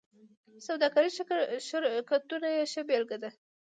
سوداګریز شرکتونه یې ښه بېلګه ده.